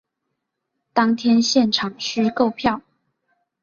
当天现场须购票